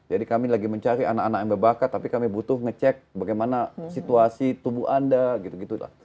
jadi kami lagi mencari anak anak yang berbakat tapi kami butuh ngecek bagaimana situasi tubuh anda gitu gitu lah